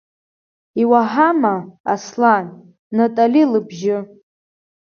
Иуаҳама, Аслан, Натали лыбжьы?